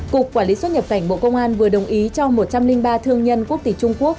cục quản lý xuất nhập cảnh bộ công an vừa đồng ý cho một trăm linh ba thương nhân quốc tịch trung quốc